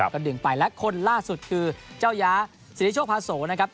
ก็ดึงไปและคนล่าสุดคือเจ้าย้าสิริโชคพาโสนะครับ